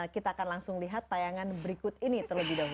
kita akan langsung lihat tayangan berikut ini terlebih dahulu